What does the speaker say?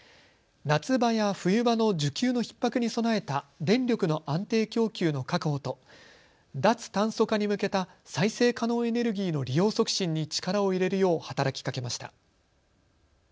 夏場や冬場の需給のひっ迫に備えた電力の安定供給の確保と脱炭素化に向けた再生可能エネルギーの利用促進に力を入れるよう働きかけました。